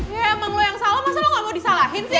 ya emang lo yang salah maksudnya lo gak mau disalahin sih